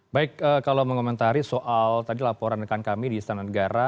baik kalau mengomentari soal tadi laporan rekan kami di istana negara